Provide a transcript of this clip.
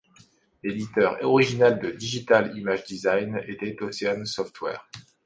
L'éditeur historique de Digital Image Design était Ocean Software.